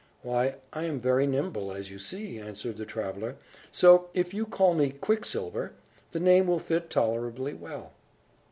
"Why, I am very nimble, as you see," answered the traveller. "So, if you call me Quicksilver, the name will fit tolerably well."